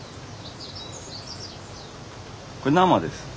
これ生です。